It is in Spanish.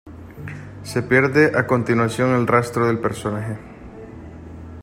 Se pierde a continuación el rastro del personaje.